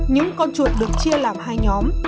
những con chuột được chia làm hai nhóm